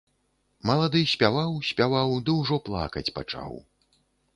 Малады спяваў, спяваў, ды ўжо плакаць пачаў.